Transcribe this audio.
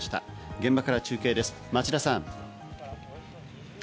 現場から中継です、町田さん。